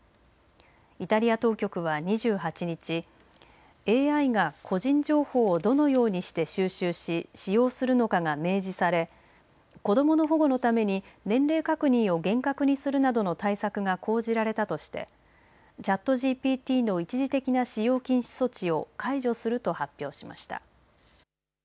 イタリア当局は２８日、ＡＩが個人情報をどのようにして収集し使用するのかが明示され子どもの保護のために年齢確認を厳格にするなどの対策が講じられたとしてＣｈａｔＧＰＴの一時的な使用禁止措置を解除すると発表しました。